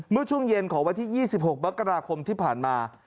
เมื่อช่วงเย็นของวันที่๒๖มกราคมที่ผ่านมา